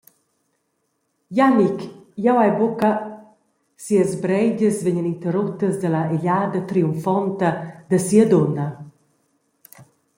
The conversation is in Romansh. «Jannic, jeu hai buca …» sias breigias vegnan interruttas dalla egliada triumfonta da sia dunna.